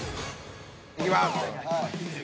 いきます。